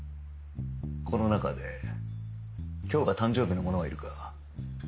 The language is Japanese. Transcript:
この中で今日が誕生日の者はいるか？